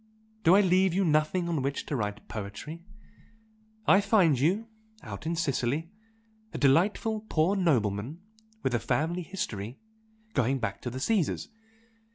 Do I leave you nothing on which to write poetry? I find you out in Sicily a delightful poor nobleman with a family history going back to the Caesars!